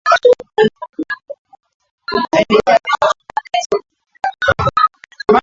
esaidia kuambukiza watu afrika